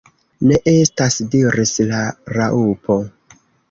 "Ne estas," diris la Raŭpo.